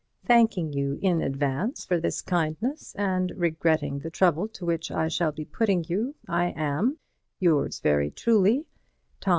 Thanking you in advance for this kindness, and regretting the trouble to which I shall be putting you, I am Yours very truly, THOS.